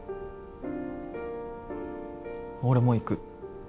俺も行く。